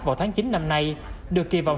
vào tháng chín năm nay được kỳ vọng